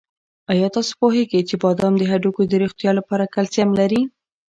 آیا تاسو پوهېږئ چې بادام د هډوکو د روغتیا لپاره کلسیم لري؟